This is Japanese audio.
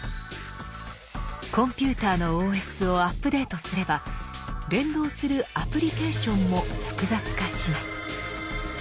コンピューターのＯＳをアップデートすれば連動するアプリケーションも複雑化します。